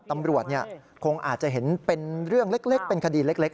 ตำรวจคงอาจจะเห็นเป็นเรื่องเล็กเป็นคดีเล็ก